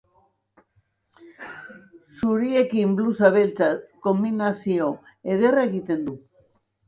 Zuriekin blusa beltzak konbinazio ederra egiten du.